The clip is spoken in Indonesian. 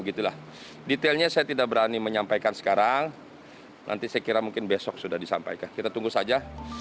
detailnya saya tidak berani menyampaikan sekarang nanti saya kira mungkin besok sudah disampaikan kita tunggu saja